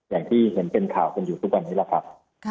อย่างที่เห็นเป็นข่าวกันอยู่ทุกวันนี้แหละครับ